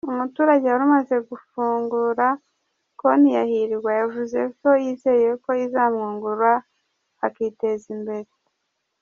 Umuturage wari umaze gufunguza konti ya Hirwa, yavuze ko yizeye ko izamwungura akiteza imbere.